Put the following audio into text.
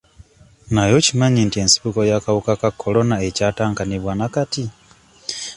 Naye okimanyi nti ensibuko y'akawuka ka Corona ekyatankanibwa na kati?